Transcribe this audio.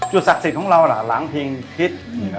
ศักดิ์สิทธิ์ของเราล่ะหลังเพลงคิด